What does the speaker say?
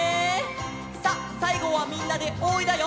さあさいごはみんなで「おーい」だよ！